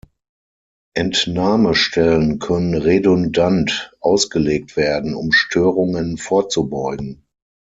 Entnahmestellen können redundant ausgelegt werden, um Störungen vorzubeugen.